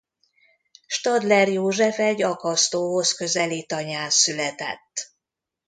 Stadler József egy Akasztóhoz közeli tanyán született.